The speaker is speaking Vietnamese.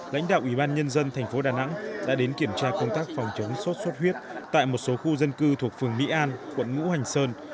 lãnh đạo ubnd tp đà nẵng đã đến kiểm tra công tác phòng chống sốt xuất huyết tại một số khu dân cư thuộc phường mỹ an quận ngũ hành sơn